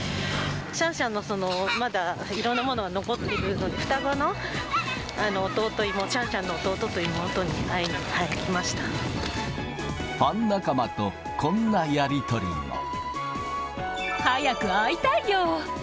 シャンシャンのまだいろんなものが残っているので、双子の弟、妹、シャンシャンの弟と妹に会いに来ファン仲間と、早く会いたいよ。